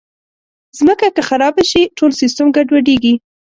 مځکه که خراب شي، ټول سیسټم ګډوډېږي.